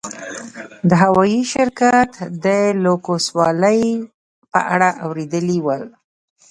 د هوايي شرکت د لوکسوالي په اړه اورېدلي ول.